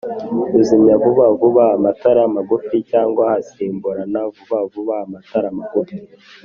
uzimya vuba vuba amatara magufi cyangwa hasimburana vuba vuba amatara magufi